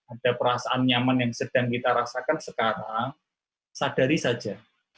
ada perasaan nyaman yang sedang kita rasakan sekarang sadari saja